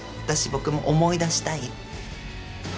僕も思い出したい。